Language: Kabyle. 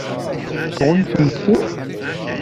Tɣunfamt-ten?